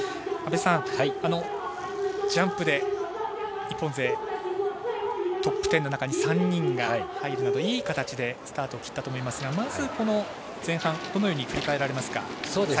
阿部さん、ジャンプで日本勢、トップ１０の中に３人が入るなど、いい形でスタートを切ったと思いますがまず前半どのように振り返られますか？